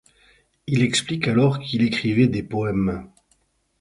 Il explique alors qu'il écrivait des poèmes.